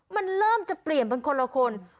มันเริ่มจะเปลี่ยนเป็นคนละคน